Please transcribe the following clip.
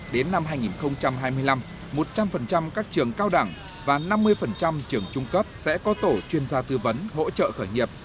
đến năm hai nghìn hai mươi năm một trăm linh các trường cao đẳng và năm mươi trường trung cấp sẽ có tổ chuyên gia tư vấn hỗ trợ khởi nghiệp